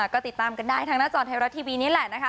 ก็ติดตามกันได้ทางหน้าจอไทยรัฐทีวีนี่แหละนะคะ